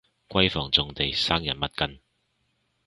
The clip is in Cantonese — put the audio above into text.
閨房重地生人勿近